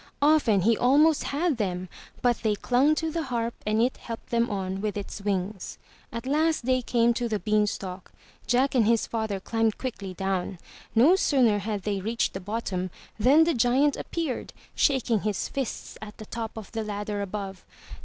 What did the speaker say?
Often he almost had them, but they clung to the Harp and it helped them on with its wings. At last they came to the beanstalk. Jack and his father climbed quickly down. No sooner had they reached the bottom, than the giant appeared, shaking his fists at the top of the ladder above.